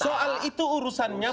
soal itu urusannya